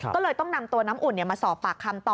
ก็เลยต้องนำตัวน้ำอุ่นมาสอบปากคำต่อ